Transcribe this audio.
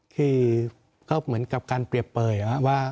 คือก็เหมือนกับการเปรียบเปลยว่า